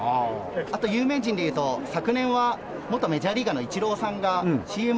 あと有名人でいうと昨年は元メジャーリーガーのイチローさんがＣＭ撮影で。